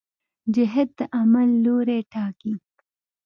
جهت د عمل لوری ټاکي.